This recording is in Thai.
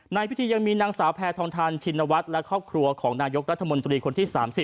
ในพิธียังมีนางสาวแพทองทานชินวัฒน์และครอบครัวของนายกรัฐมนตรีคนที่๓๐